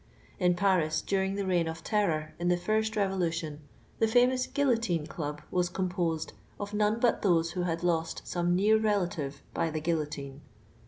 In Paris, j during the reign «»f terror in tho first revolution, 1 the famous (luillotinc Club wju composed of none but those who hud lost some near relative by the guillotine.